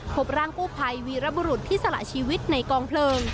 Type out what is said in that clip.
พบร่างกู้ภัยวีรบุรุษที่สละชีวิตในกองเพลิง